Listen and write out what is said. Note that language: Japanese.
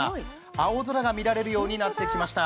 青空が見られるようになってきました。